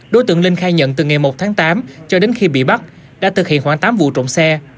đối tượng linh khai nhận từ ngày một tháng tám cho đến khi bị bắt đã thực hiện khoảng tám vụ trộm xe